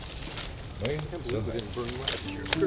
Ми — за нею.